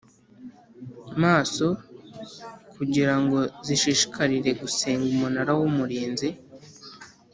maso kugira ngo zishishikarire gusenga Umunara w Umurinzi